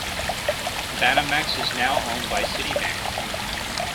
Banamex is now owned by Citibank.